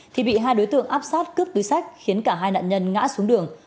thì bị hai đối tượng áp sát cướp túi sách khiến cả hai nạn nhân ngã xuống đường